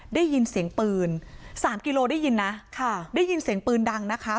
ได้ยินเสียงปืนสามกิโลได้ยินนะค่ะได้ยินเสียงปืนดังนะคะ